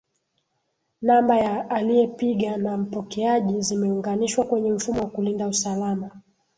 Namba ya aliepiga na mpokeaji zimeunganishwa kwenye mfumo wa kulinda usalama